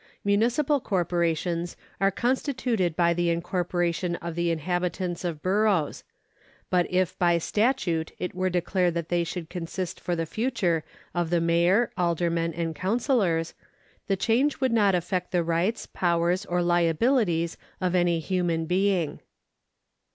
Municipal corporations are constituted by the incorporation of the inhabitants of boroughs ; but if by statute it were declared that they should consist for the future of the may or, aldermen, and councillors, the change would not affect the rights, powers, or liabilities of any human being.